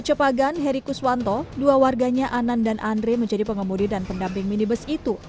cepagan heri kuswanto dua warganya anan dan andre menjadi pengemudi dan pendamping minibus itu